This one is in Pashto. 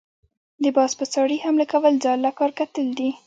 د باز په څاړي حمله كول ځان له کار کتل دي۔